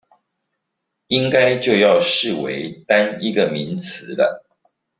應該就要視為單一個名詞了